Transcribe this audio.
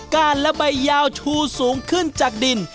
และใบยาวชูสูงขึ้นจากดิน